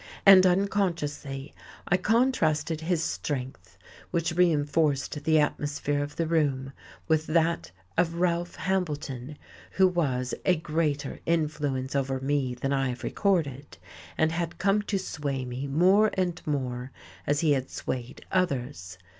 And unconsciously I contrasted his strength, which reinforced the atmosphere of the room, with that of Ralph Hambleton, who was, a greater influence over me than I have recorded, and had come to sway me more and more, as he had swayed others.